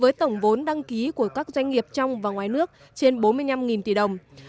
với tổng vốn đăng ký của các doanh nghiệp trong và ngoài nước trên bốn mươi năm tỷ đồng